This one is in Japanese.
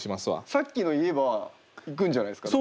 さっきの言えばいくんじゃないですか？